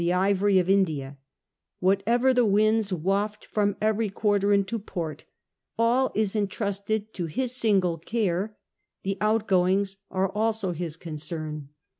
ivory of India, whatever the winds waft from every quarter into port — all is entrusted to his single care. The outgoings are also his concern.